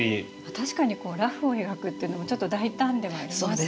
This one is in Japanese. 確かに裸婦を描くっていうのはちょっと大胆ではありますよね。